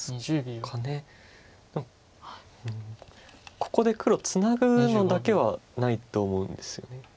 ここで黒ツナぐのだけはないと思うんですよね。